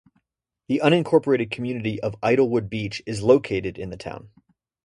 The unincorporated community of Idlewood Beach is located in the town.